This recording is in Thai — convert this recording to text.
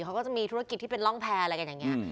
เขาก็จะมีธุรกิจที่เป็นร่องแพร่อะไรกันอย่างนี้